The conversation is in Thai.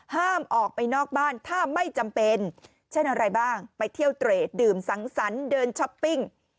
ห้ามออกไปนอกบ้านถ้าไม่จำเป็นเช่นอะไรบ้างไปเที่ยวเตรดดื่มสังสรรค์เดินช้อปปิ้ง